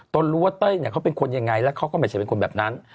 ต้นรู้ว่าเต้ยเขาเป็นคนอย่างไรแล้วเขาก็ไม่ใช่เป็นคนแบบนั้น